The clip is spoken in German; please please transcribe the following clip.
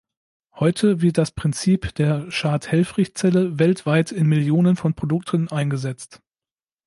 Heute wird das Prinzip der Schadt-Helfrich-Zelle weltweit in Millionen von Produkten eingesetzt.